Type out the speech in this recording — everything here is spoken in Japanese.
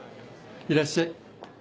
いらっしゃい。